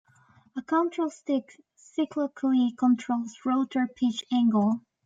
A control stick cyclically controls rotor pitch angle.